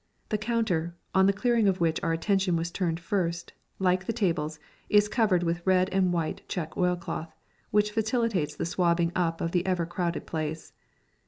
The counter, on the clearing of which our attention was turned first, like the tables, is covered with red and white check oilcloth, which facilitates the swabbing up of the ever crowded place.